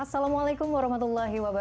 assalamualaikum wr wb